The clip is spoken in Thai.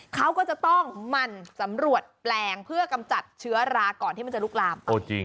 เขาก็จะต้องหมั่นสำรวจแปลงเพื่อกำจัดเชื้อราก่อนที่มันจะลุกลามไป